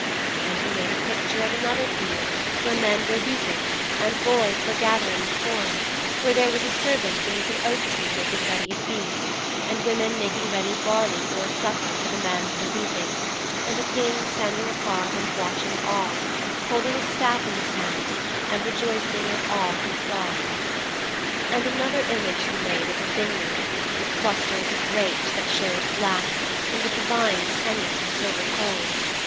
And he made a picture of another field where men were reaping and boys were gathering the corn, where there was a servant beneath an oak tree making ready a feast, and women making ready barley for a supper for the men who were reaping, and a King standing apart and watching all, holding a staff in his hands and rejoicing at all he saw.' 'And another image he made of a vineyard, with clusters of grapes that showed black, and with the vines hanging from silver poles.